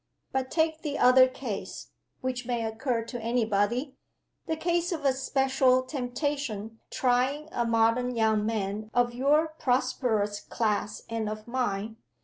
But take the other case (which may occur to any body), the case of a special temptation trying a modern young man of your prosperous class and of mine.